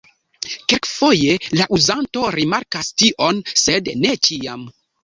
Kelkfoje la uzanto rimarkas tion sed ne ĉiam.